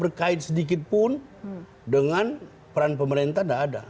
terkait sedikit pun dengan peran pemerintah tidak ada